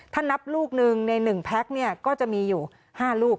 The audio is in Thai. ถ้านับลูกหนึ่งใน๑แพ็คก็จะมีอยู่๕ลูก